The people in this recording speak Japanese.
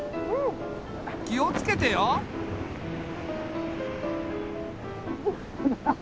気をつけてよ。ハハハ。